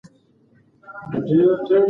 که سوله وي نو امان وي.